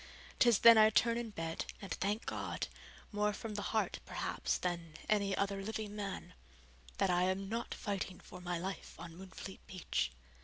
'Tis then I turn in bed and thank God, more from the heart, perhaps, than, any other living man, that I am not fighting for my life on Moonfleet Beach.